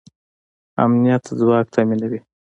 امنیت څوک تامینوي؟